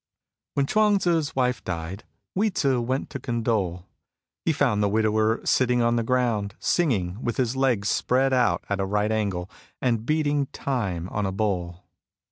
When Chuang Tzu's wife died, Hui Tzu went to condole. He found the widower sitting on the ground, singing, with his legs spread out at a right angle, and beating time on a bowl.